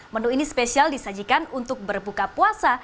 menu ini spesial disajikan untuk berbuka puasa